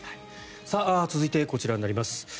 続いて、こちらになります。